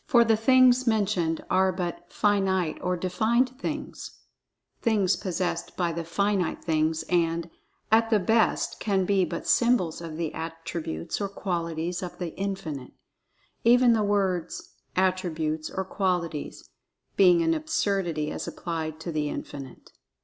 For the "things" mentioned are but "finite" or "defined" things—things possessed by the Finite Things—and, at the best can be but symbols of the attributes or qualities of The Infinite; even the words "attributes" or "qualities" being an absurdity as applied to The Infinite.